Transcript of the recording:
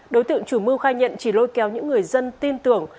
đối tượng chủ mưu khai nhận chỉ lôi kéo những người dân tin tưởng